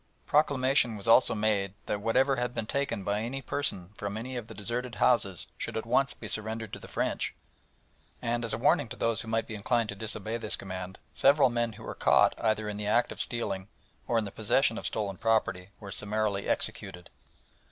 Proclamation was also made that whatever had been taken by any person from any of the deserted houses should at once be surrendered to the French, and, as a warning to those who might be inclined to disobey this command, several men who were caught either in the act of stealing or in the possession of stolen property were summarily executed.